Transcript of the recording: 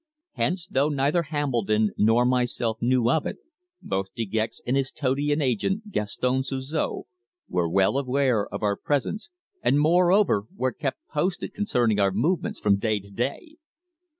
Hence, though neither Hambledon nor myself knew of it, both De Gex and his toady and agent, Gaston Suzor, were well aware of our presence, and, moreover, were kept posted concerning our movements from day to day!